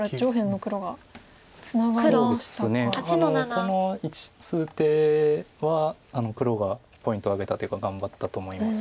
この数手は黒がポイントを挙げたというか頑張ったと思います。